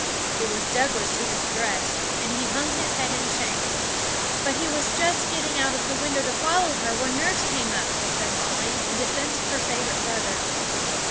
It was Douglas who was addressed, and he hung his head in shame. 'But he was just getting out of the window to follow her, when nurse came up,' said Molly, in defence of her favourite brother.